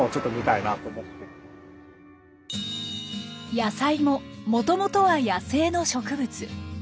野菜ももともとは野生の植物。